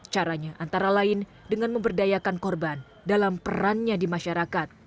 caranya antara lain dengan memberdayakan korban dalam perannya di masyarakat